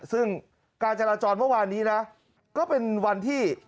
ซึ่งการจราจรเมื่อวานนี้นะก็เป็นวันที่